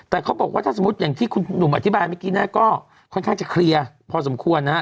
แต่เขาบอกว่าถ้าสมมุติอย่างที่คุณหนุ่มอธิบายเมื่อกี้เนี่ยก็ค่อนข้างจะเคลียร์พอสมควรนะฮะ